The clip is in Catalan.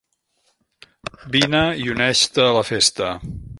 Vine i uneix-te a la festa.